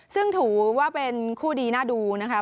ซึ่งถือว่าเป็นคู่ดีน่าดูนะคะ